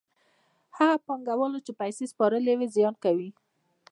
هغو پانګوالو چې پیسې سپارلې وي زیان کوي